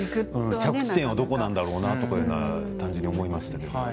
着地点はどこなんだろうと単純に思いました。